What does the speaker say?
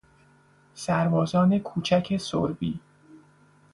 سربازان کوچک سربی